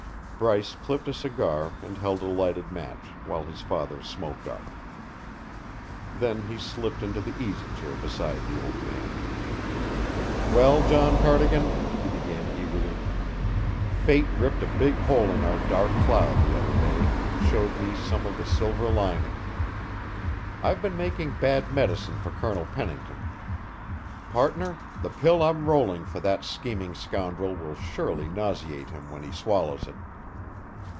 Bryce clipped a cigar and held a lighted match while his father "smoked up." Then he slipped into the easy chair beside the old man. "Well, John Cardigan," he began eagerly, "fate ripped a big hole in our dark cloud the other day and showed me some of the silver lining. I've been making bad medicine for Colonel Pennington. Partner, the pill I'm rolling for that scheming scoundrel will surely nauseate him when he swallows it."